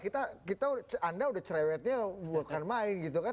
kita anda udah cerewetnya bukan main gitu kan